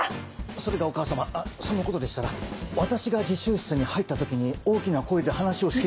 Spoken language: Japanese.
それがお母様そのことでしたら私が自習室に入った時に大きな声で話をしていたのは。